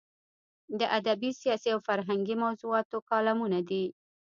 د ادبي، سیاسي او فرهنګي موضوعاتو کالمونه دي.